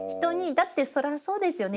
だってそれはそうですよね。